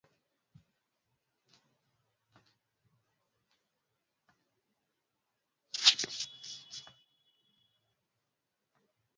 Waandamanaji wawili wameuawa kwa kupigwa risasi nchini Sudan